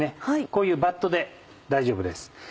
こういうバットで大丈夫です。